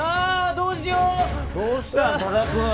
どうしたん？